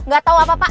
gatau apa pak